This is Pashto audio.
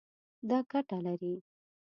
دا ګټه لري